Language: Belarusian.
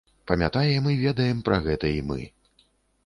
Памятаем і ведаем пра гэта і мы.